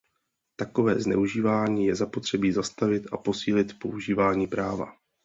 Takové zneužívání je zapotřebí zastavit a posílit používání práva.